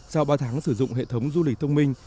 sau ba tháng sử dụng hệ thống du lịch thông minh